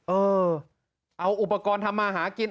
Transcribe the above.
เออเอาอุปกรณ์ทำมาหากิน